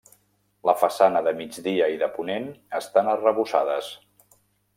La façana de migdia i de ponent estan arrebossades.